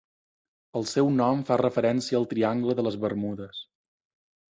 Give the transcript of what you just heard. El seu nom fa referència al Triangle de les Bermudes.